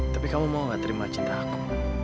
tapi kamu mau gak terima cinta aku